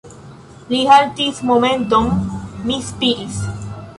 Li haltis momenton; mi spiris.